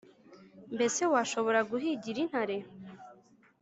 “mbese washobora guhigira intare ‘